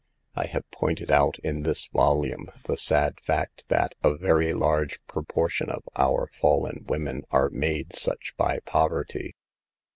I have pointed out, in this volume, the sad fact that a very large proportion of our fallen women are made such by poverty.